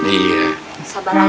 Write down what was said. sabar aja cing nelam